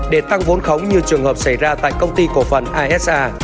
để tăng vốn khống như trường hợp xảy ra tại công ty cổ phần asa